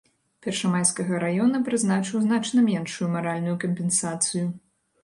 Першамайскага раёна прызначыў значна меншую маральную кампенсацыю.